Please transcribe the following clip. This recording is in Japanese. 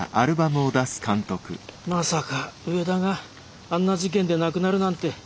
まさか上田があんな事件で亡くなるなんて。